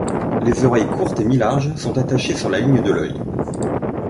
Les oreilles courtes et mi-larges sont attachées sur la ligne de l’œil.